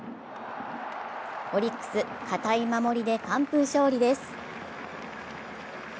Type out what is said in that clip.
オリックス、堅い守りで完封勝利です。